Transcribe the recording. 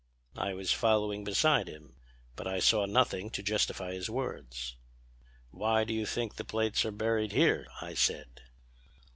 "I was following beside him, but I saw nothing to justify his words. "'Why do you think the plates are buried here?' I said.